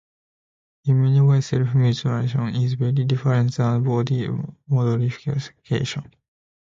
In many ways self-mutilation is very different than body-modification.